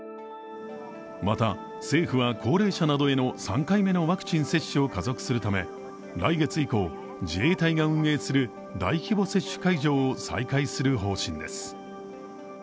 また、政府は高齢者などへの３回目のワクチン接種を加速するため来月以降、自衛隊が運営する大規模接種会場を再開する方針です。